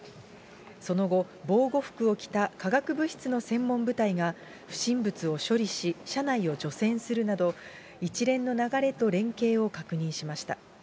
その後、防護服を着た化学物質の専門部隊が不審物を処理し、車内を除染するなど、一連の流れと連携を確認しました。